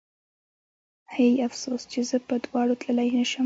هی افسوس چې زه په دواړو تللی نه شم